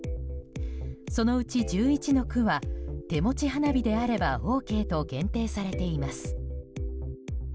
そのうち１１の区は手持ち花火であればＯＫと限定されています。